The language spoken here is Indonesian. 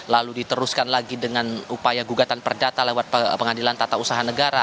lalu diteruskan lagi dengan upaya gugatan perdata lewat pengadilan tata usaha negara